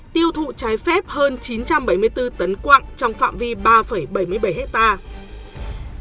tiêu thụ trái phép hơn chín trăm bảy mươi bốn tấn quặng trong phạm vi ba bảy mươi bảy hectare